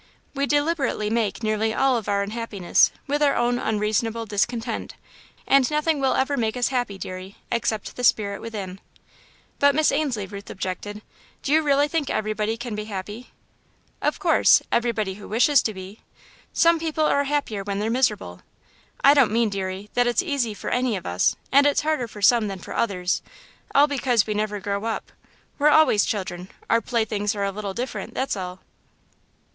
We deliberately make nearly all of our unhappiness, with our own unreasonable discontent, and nothing will ever make us happy, deary, except the spirit within." "But, Miss Ainslie," Ruth objected, "do you really think everybody can be happy?" "Of course everybody who wishes to be. Some people are happier when they're miserable. I don't mean, deary, that it's easy for any of us, and it's harder for some than for others, all because we never grow up. We're always children our playthings are a little different, that's all."